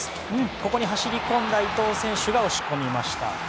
ここに走り込んだ伊東選手が押し込みました。